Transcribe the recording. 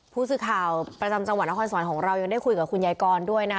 ผู้สื่อข่าวประจำจังหวัดนครสวรรค์ของเรายังได้คุยกับคุณยายกรด้วยนะ